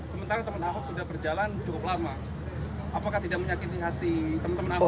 sementara teman ahok sudah berjalan cukup lama apakah tidak menyakiti hati teman teman ahok